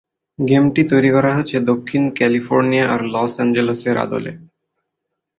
গেমটি তৈরি করা হয়েছে দক্ষিণ ক্যালিফোর্নিয়া আর লস অ্যাঞ্জেলেসের আদলে।